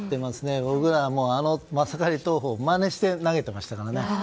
僕ら、あのマサカリ投法をまねして投げていましたからね。